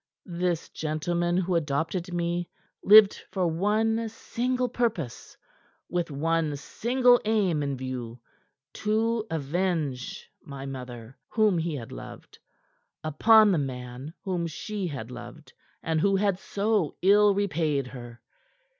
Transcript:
"This gentleman who adopted me lived for one single purpose, with one single aim in view to avenge my mother, whom he had loved, upon the man whom she had loved and who had so ill repaid her.